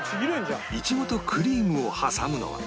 イチゴとクリームを挟むのは